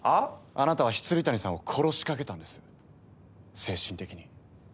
あなたは未谷さんを殺しかけたんです精神的に。